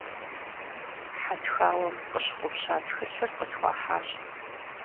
Хьэтхауэм къыщыгъупща тхылъыр къысхуахьащ.